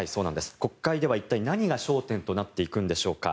国会では一体、何が焦点となっていくんでしょうか。